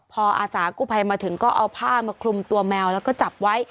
พออาสากู้ภัยมาถึงก็เอาผ้ามาคลุมตัวแมวแล้วก็จับไว้